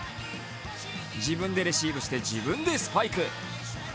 自分でレシーブして自分でスパイク。